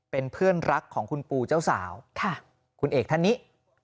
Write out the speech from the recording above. เป็นเพื่อนรักของคุณปูเจ้าสาวคุณเอกท่านนี้